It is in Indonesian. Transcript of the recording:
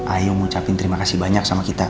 ayo ngucapin terima kasih banyak sama kita